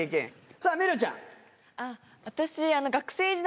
さぁめるちゃん。